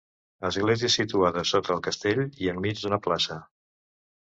Església situada sota el castell i enmig d'una plaça.